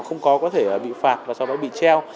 không có có thể bị phạt và sau đó bị treo